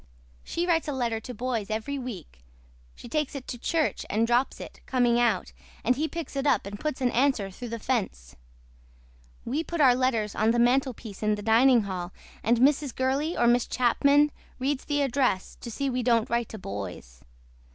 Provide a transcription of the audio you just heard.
SHE WRITES A LETTER TO BOYS EVERY WEEK SHE TAKES IT TO CHURCH AND DROPS IT COMING OUT AND HE PICKS IT UP AND PUTS AN ANSWER THROUGH THE FENCE. WE PUT OUR LETTERS ON THE MANTLEPIECE IN THE DINING HALL AND MRS. GURLEY OR MISS CHAPMAN READ THE ADRESS TO SEE WE DON'T WRITE TO BOYS.